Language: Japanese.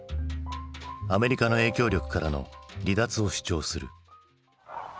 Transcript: アメリカの影響力からの離脱を主張する。